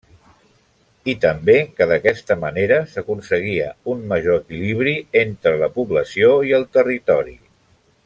I també, que d'aquesta manera s'aconseguia un major equilibri entre la població i el territori.